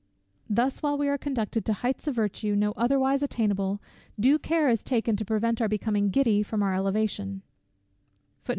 Thus, while we are conducted to heights of virtue no otherwise attainable, due care is taken to prevent our becoming giddy from our elevation.